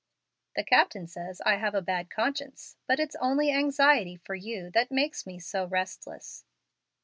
The captain says I have a bad conscience, but it's only anxiety for you that makes me so restless."